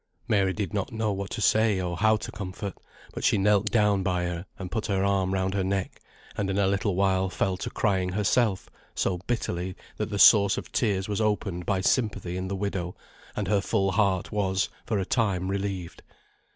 Mary did not know what to say, or how to comfort; but she knelt down by her, and put her arm round her neck, and in a little while fell to crying herself so bitterly, that the source of tears was opened by sympathy in the widow, and her full heart was, for a time, relieved.